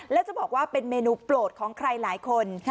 แล้วจะบอกว่าเป็นเมนูโปรดของใครหลายคน